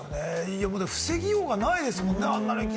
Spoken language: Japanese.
防ぎようがないですもんね。